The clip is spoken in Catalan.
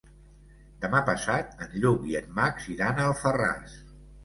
Demà passat en Lluc i en Max iran a Alfarràs.